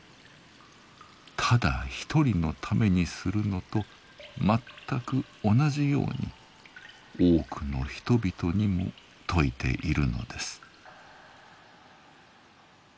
ただ一人のためにするのとまったく同じように多くの人々にも説いているのです。